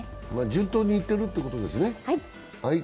順当にいっているということですね。